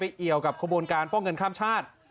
เอี่ยวกับขบวนการฟอกเงินข้ามชาติ